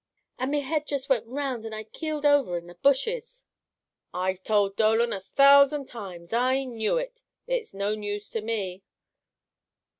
"And me head just went round and I keeled over in the bushes " "I've told Dolan a thousand times! I knew it! It's no news to me!"